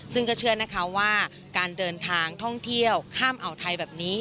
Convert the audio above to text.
ซึ่งก็เชื่อนะคะว่าการเดินทางท่องเที่ยวข้ามอ่าวไทยแบบนี้